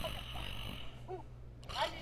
Kila mtu huja kila siku.